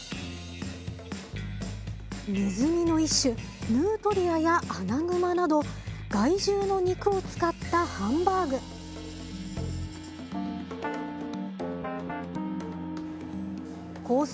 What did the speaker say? ネズミの一種ヌートリアやアナグマなど害獣の肉を使ったハンバーグコース